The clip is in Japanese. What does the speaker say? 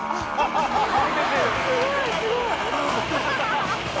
すごいすごい。